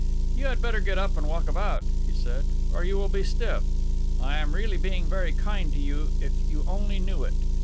"You had better get up and walk about," he said, "or you will be stiff. I am really being very kind to you if you only knew it.